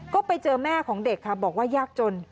ก็ไปเจอแม่ของเด็กค่ะบอกว่ายากจน